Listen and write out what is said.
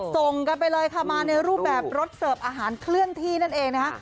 ส่งกันไปเลยค่ะมาในรูปแบบรถเสิร์ฟอาหารเคลื่อนที่นั่นเองนะคะ